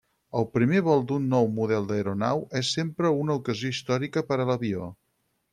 El primer vol d'un nou model d'aeronau és sempre una ocasió històrica per a l'avió.